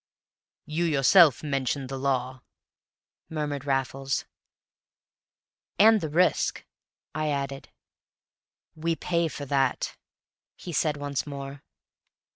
"You yourself mentioned the law," murmured Raffles. "And the risk," I added. "We pay for that," he said once more.